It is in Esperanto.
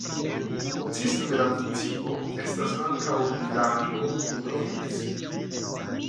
Konsisto de la municipo estas ankaŭ vilaĝo Hodoviz.